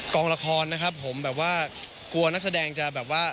ละครนะครับผมแบบว่ากลัวนักแสดงจะแบบว่า